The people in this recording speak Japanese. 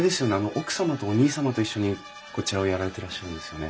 奥様とお兄様と一緒にこちらをやられてらっしゃるんですよね？